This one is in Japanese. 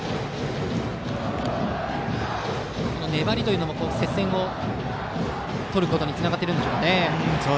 粘りというのも接戦をとることにつながっていますかね。